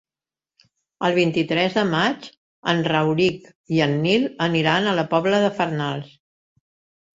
El vint-i-tres de maig en Rauric i en Nil aniran a la Pobla de Farnals.